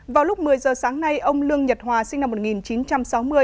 vào lúc một mươi giờ sáng nay ông lương nhật hòa sinh năm một nghìn chín trăm sáu mươi